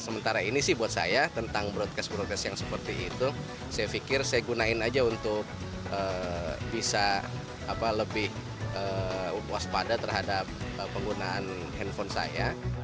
sementara ini sih buat saya tentang broadcast broadcast yang seperti itu saya pikir saya gunain aja untuk bisa lebih waspada terhadap penggunaan handphone saya